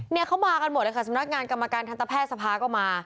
เข้ามากันหมดเลยค่ะสำนักงานกรรมการทันตแพทย์สภาก็มา